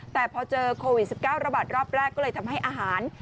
แต่พอเจอโควิด๑๙ระบาดรอบแรกก็เลยทำให้อาหาร